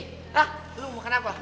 hah lo mau makan apa